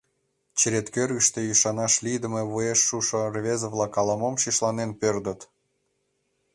Черет кӧргыштӧ ӱшанаш лийдыме вуеш шушо рвезе-влак ала-мом шишланен пӧрдыт.